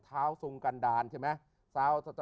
ท้าวซงกันดานใช่ไหม